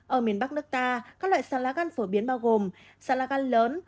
ở miền bắc nước ta các loại sán lá gan phổ biến bao gồm sán lá gan lớn